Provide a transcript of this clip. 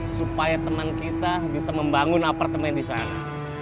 supaya teman kita bisa membangun apartemen di sana